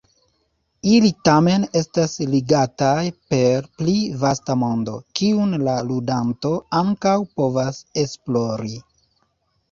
Ili tamen estas ligataj per pli vasta mondo, kiun la ludanto ankaŭ povas esplori.